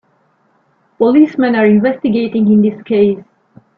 Policemen are investigating in this case.